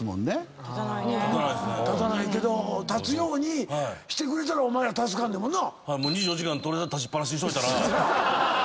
立たないけど立つようにしてくれたらお前ら助かんねんもんな？